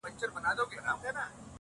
توره تیاره ده دروازه یې ده چینجو خوړلې-